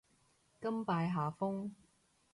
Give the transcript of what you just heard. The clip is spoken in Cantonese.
甘拜下風